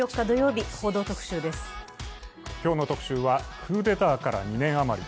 今日の特集はクーデターから２年余り。